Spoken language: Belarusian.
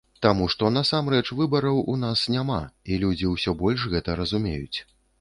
Таму, што насамрэч выбараў у нас няма, і людзі ўсё больш гэта разумеюць.